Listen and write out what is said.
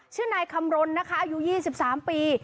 ชื่อนายคำรณนะคะอายุ๒๓ปี